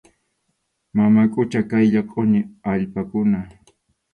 Mama qucha qaylla qʼuñi allpakuna.